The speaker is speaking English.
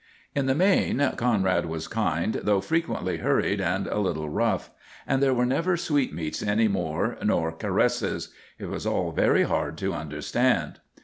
In the main, Conrad was kind, though frequently hurried and a little rough, and there were never sweetmeats any more nor caresses. It was all very hard to understand.